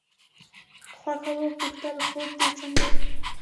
خوښه وپوښتل خوب دې څنګه دی.